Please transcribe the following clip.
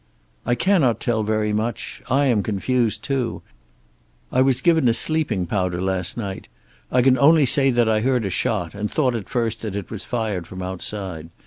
"I cannot tell very much. I am confused, too. I was given a sleeping powder last night. I can only say that I heard a shot, and thought at first that it was fired from outside.